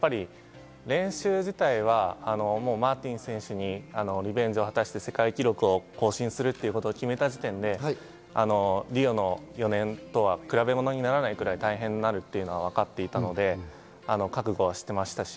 練習自体はマーティン選手にリベンジを果たして、世界記録を更新するということを決めた時点でリオの４年とは比べ物にないくらい大変になるのはわかっていたので、覚悟はしていました。